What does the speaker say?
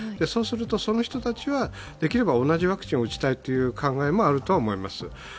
そうするとその人たちはできれば同じワクチンを打ちたいという考えもあるとは思います。